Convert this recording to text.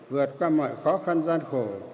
vượt qua mọi khó khăn gian khổ